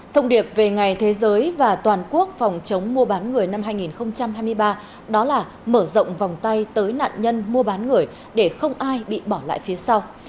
thông điệp về ngày thế giới và toàn quốc phòng chống mua bán người năm hai nghìn hai mươi ba đó là mở rộng vòng tay tới nạn nhân mua bán người để không ai bị bỏ lại phía sau